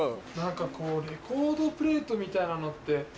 何かこうレコードプレートみたいなのって